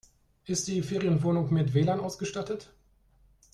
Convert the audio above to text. Ist die Ferienwohnung mit WLAN ausgestattet?